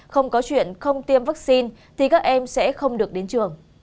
không có chuyện không tiêm vaccine thì các em sẽ không được đến trường